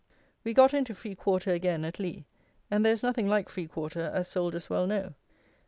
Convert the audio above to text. We got into free quarter again at Lea; and there is nothing like free quarter, as soldiers well know.